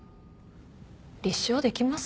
立証できます？